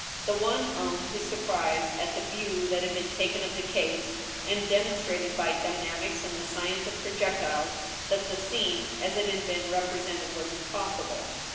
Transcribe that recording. The one owned his surprise at the view that had been taken of the case, and demonstrated, by dynamics and the science of pro jectiles, that the scene, as it had been represented, was impossible.